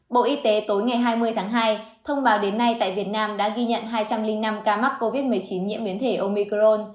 bộ y tế tối ngày hai mươi tháng hai thông báo đến nay tại việt nam đã ghi nhận hai trăm linh năm ca mắc covid một mươi chín nhiễm biến thể omicron